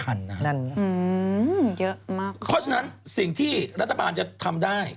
เพราะฉะนั้นสิ่งที่รัฐบาลจะทำได้